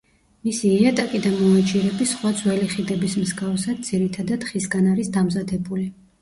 მისი იატაკი და მოაჯირები სხვა ძველი ხიდების მსგავსად ძირითადად ხისგან არის დამზადებული.